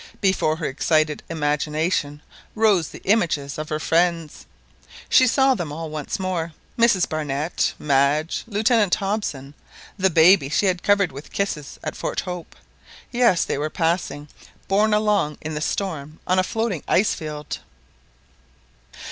Before her excited imagination rose the images of her friends. She saw them all once more, Mrs Barnett, Madge, Lieutenant Hobson, the baby she had covered with kisses at Fort Hope. Yes, they were passing, borne along in the storm on a floating ice field!